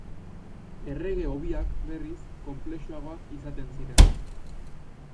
Errege hobiak, berriz, konplexuagoak izaten ziren.